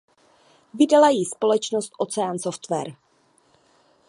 Vydala ji společnost Ocean Software.